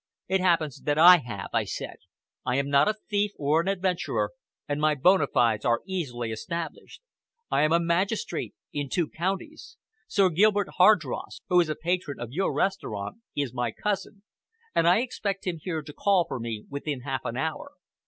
"It happens that I have," I said. "I am not a thief or an adventurer, and my bona fides are easily established. I am a magistrate in two counties; Sir Gilbert Hardross, who is a patron of your restaurant, is my cousin, and I expect him here to call for me within half an hour.